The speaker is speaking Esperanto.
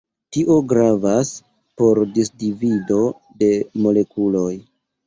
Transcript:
Tio gravas por disdivido de molekuloj.